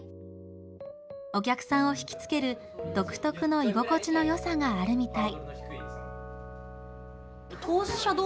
お客さんを引き付ける独特の居心地のよさがあるみたい。